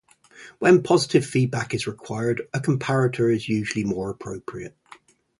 When positive feedback is required, a comparator is usually more appropriate.